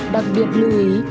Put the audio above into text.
đặc biệt lưu ý